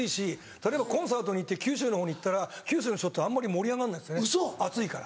例えばコンサートに行って九州のほうに行ったら九州の人ってあんまり盛り上がんないんです暑いから。